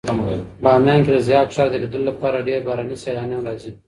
بامیان کې د ضحاک ښار د لیدلو لپاره ډېر بهرني سېلانیان راځي.